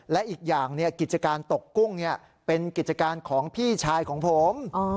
และอีกอย่างกิจการตกกุ้งเป็นกิจการของพี่ชายของผม